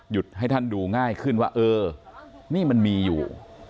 ให้ท่านดูง่ายขึ้นว่าเออนี่มันมีอยู่